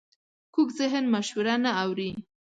کوږ ذهن مشوره نه اوري